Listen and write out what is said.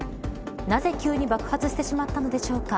なぜ急に爆発してしまったのでしょうか。